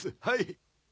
はい